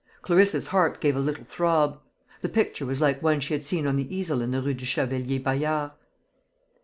Clarissa's heart gave a little throb. The picture was like one she had seen on the easel in the Rue du Chevalier Bayard.